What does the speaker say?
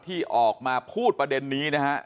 ที่ออกมาพูดประเด็นนี้นะฮะ